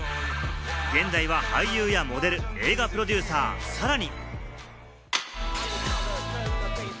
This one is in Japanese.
現在は俳優やモデル、映画プロデューサー、さらに。